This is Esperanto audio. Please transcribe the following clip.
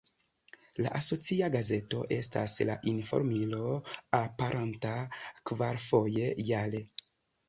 La asocia gazeto estas ""La informilo"", aperanta kvarfoje jare.